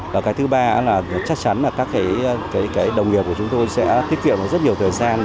và cái thứ ba là chắc chắn là các cái đồng nghiệp của chúng tôi sẽ tiết kiệm được rất nhiều thời gian